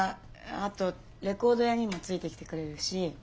あとレコード屋にもついてきてくれるし